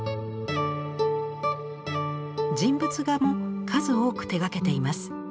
人物画も数多く手がけています。